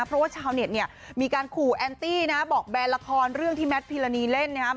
เพราะว่าชาวเน็ตเนี่ยมีการขู่แอนตี้นะบอกแนนละครเรื่องที่แมทพิรณีเล่นนะครับ